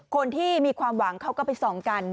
คนที่มีความหวังเขาก็ไปส่องกัน